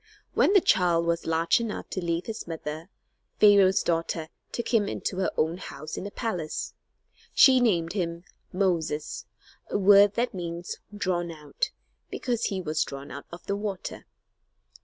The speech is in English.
When the child was large enough to leave his mother Pharaoh's daughter took him into her own house in the palace. She named him "Moses," a word that means "drawn out," because he was drawn out of the water.